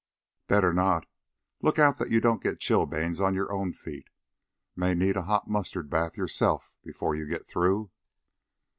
"Better not. Look out that you don't get chilblains on your own feet. May need a hot mustard bath yourself before you get through."